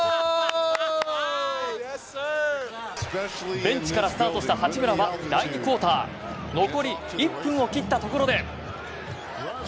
ベンチからスタートした八村は第２クォーター残り１分を切ったところで。